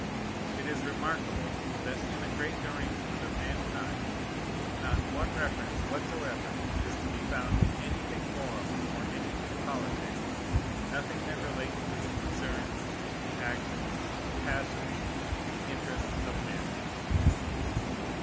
It is remarkable, that, in a great arrangement of mankind, not one reference whatsoever is to be found to anything moral or anything politic, nothing that relates to the concerns, the actions, the passions, the interests of men.